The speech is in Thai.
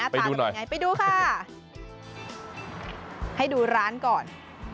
ไปดูหน่อยไปดูค่ะให้ดูร้านก่อน